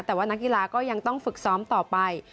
แต่ว่านักกีฬาก็ยังต้องฝึกซ้อมต่อไป